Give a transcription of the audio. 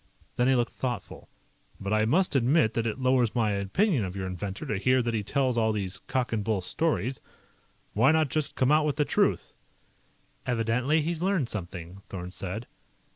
Then he looked thoughtful. "But I must admit that it lowers my opinion of your inventor to hear that he tells all these cock and bull stories. Why not just come out with the truth?" "Evidently he'd learned something," Thorn said.